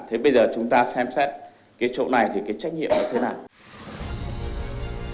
thế bây giờ chúng ta xem xét cái chỗ này thì cái trách nhiệm là thế nào